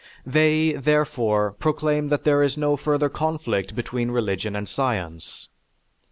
They, therefore, proclaim that there is no further conflict between religion and science.